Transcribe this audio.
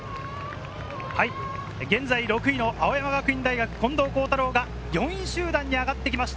現在６位の青山学院大学・近藤幸太郎が４位集団に上がってきました。